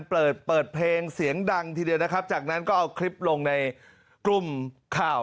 เปิดเปิดเพลงเสียงดังทีเดียวนะครับจากนั้นก็เอาคลิปลงในกลุ่มข่าว